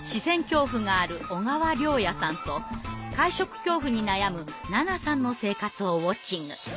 恐怖がある小川椋也さんと会食恐怖に悩むななさんの生活をウォッチング。